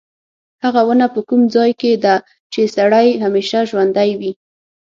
هغه ونه په کوم ځای کې ده چې سړی همیشه ژوندی وي.